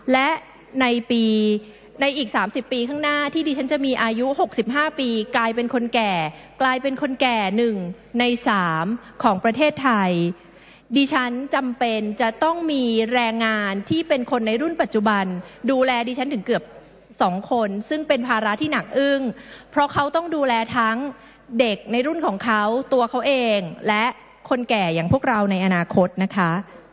และในปีในอีก๓๐ปีข้างหน้าที่ดิฉันจะมีอายุ๖๕ปีกลายเป็นคนแก่กลายเป็นคนแก่๑ใน๓ของประเทศไทยดิฉันจำเป็นจะต้องมีแรงงานที่เป็นคนในรุ่นปัจจุบันดูแลดิฉันถึงเกือบ๒คนซึ่งเป็นภาระที่หนักอึ้งเพราะเขาต้องดูแลทั้งเด็กในรุ่นของเขาตัวเขาเองและคนแก่อย่างพวกเราในอนาคตนะคะ